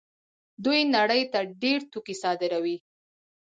دوی نړۍ ته ډېر توکي صادروي.